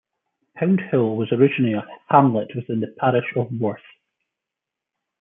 Pound Hill was originally a hamlet within the parish of Worth.